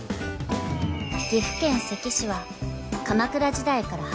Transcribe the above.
［岐阜県関市は鎌倉時代から